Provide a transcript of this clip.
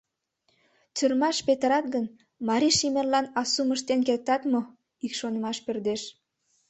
Тюрьмаш петырат гын, марий шемерлан асум ыштен кертат мо? — ик шонымаш пӧрдеш.